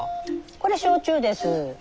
これ焼酎です。